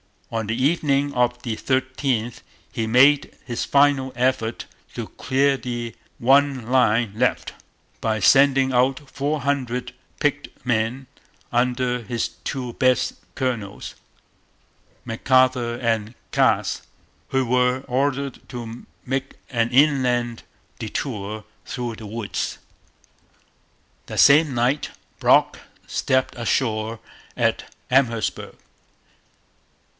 On the evening of the 13th he made his final effort to clear the one line left, by sending out four hundred picked men under his two best colonels, McArthur and Cass, who were ordered to make an inland detour through the woods. That same night Brock stepped ashore at Amherstburg.